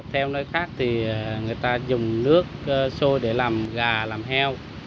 theo nơi khác thì người ta dùng nước sôi để làm gà làm heo